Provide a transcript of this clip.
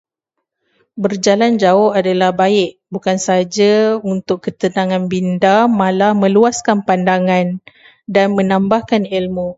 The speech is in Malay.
Berjalan jauh adalah baik, bukan saja untuk ketenangan minda, malah meluaskan pandangan dan menambahkan ilmu.